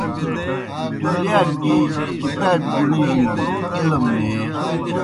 دُلِیاک گیْ کتابیْ گِݨجنَن علم نیں